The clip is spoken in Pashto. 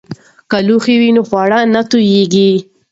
که لوښي وي نو خواړه نه توییږي.